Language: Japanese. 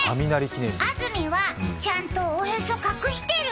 安住はちゃんとおへそ隠してる？